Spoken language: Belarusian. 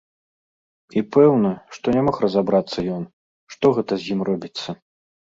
І пэўна, што не мог разабрацца ён, што гэта з ім робіцца.